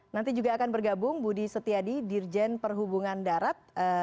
nanti juga akan bergabung budi setiadi dirjen perhubungan darat